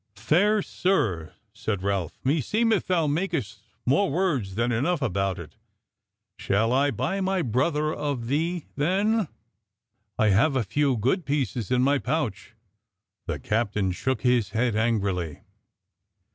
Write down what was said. "Fair sir," said Ralph, "meseemeth thou makest more words than enough about it. Shall I buy my brother of thee, then? I have a good few pieces in my pouch." The captain shook his head angrily.